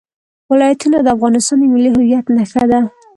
ولایتونه د افغانستان د ملي هویت نښه ده.